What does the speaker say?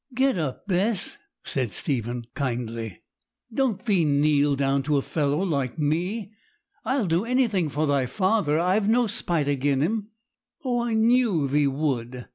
'Get up, Bess,' said Stephen kindly; 'don't thee kneel down to a fellow like me. I'll do anything for thy father; I've no spite agen him.' 'Oh, I knew thee would!'